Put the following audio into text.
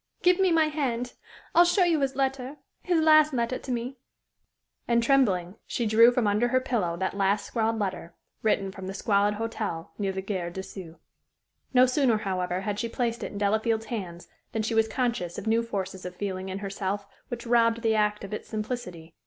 "Give me my hand. I'll show you his letter his last letter to me." And, trembling, she drew from under her pillow that last scrawled letter, written from the squalid hotel near the Gare de Sceaux. No sooner, however, had she placed it in Delafield's hands than she was conscious of new forces of feeling in herself which robbed the act of its simplicity.